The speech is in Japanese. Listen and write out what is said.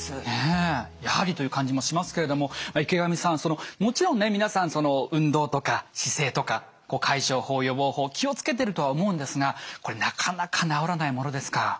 ねえやはりという感じもしますけれども池上さんそのもちろんね皆さん運動とか姿勢とか解消法予防法気を付けてるとは思うんですがこれなかなか治らないものですか？